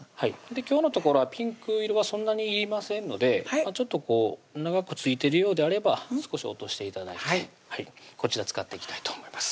今日のところはピンク色はそんなにいりませんのでちょっと長く付いてるようであれば少し落として頂いてこちら使っていきたいと思います